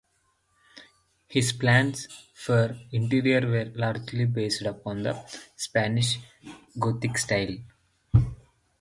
His plans for the interior were largely based upon the Spanish Gothic style.